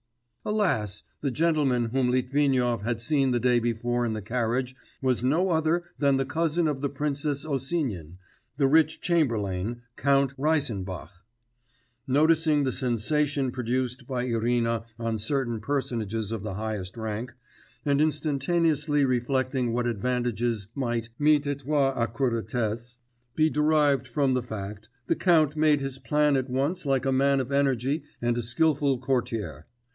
Alas! the gentleman whom Litvinov had seen the day before in the carriage was no other than the cousin of the Princess Osinin, the rich chamberlain, Count Reisenbach. Noticing the sensation produced by Irina on certain personages of the highest rank, and instantaneously reflecting what advantages might mit etwas Accuratesse be derived from the fact, the count made his plan at once like a man of energy and a skilful courtier.